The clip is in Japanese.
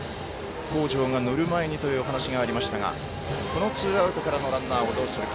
北條が乗る前にという話がありましたがこのツーアウトからのランナーをどうするか。